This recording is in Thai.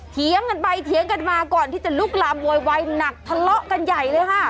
เถียงกันไปเถียงกันมาก่อนที่จะลุกลามโวยวายหนักทะเลาะกันใหญ่เลยค่ะ